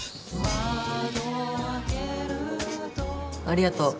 ありがとう。